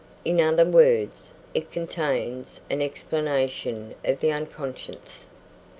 In other words, it contains an explanation of the unconscious.